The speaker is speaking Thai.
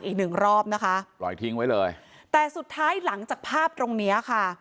อีกหนึ่งรอบนะคะปล่อยทิ้งไว้เลยแต่สุดท้ายหลังจากภาพตรงเนี้ยค่ะ